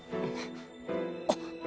あっ！